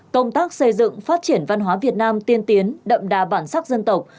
công tác xây dựng phát triển văn hóa việt nam tiên tiến đậm đà bản sắc dân tộc